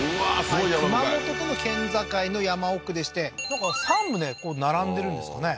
すごい山深い熊本との県境の山奥でしてなんか３棟並んでるんですかね